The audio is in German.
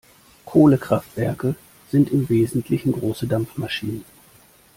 Kohlekraftwerke sind im Wesentlichen große Dampfmaschinen.